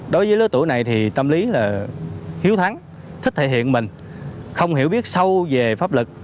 đối với lứa tuổi này thì tâm lý là hiếu thắng thích thể hiện mình không hiểu biết sâu về pháp lực